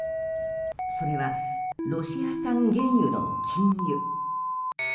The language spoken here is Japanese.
それは、ロシア産原油の禁輸。